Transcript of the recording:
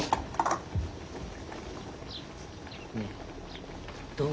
ねえどう？